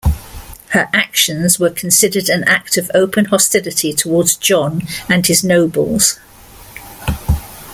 Her actions were considered an act of open hostility towards John and his nobles.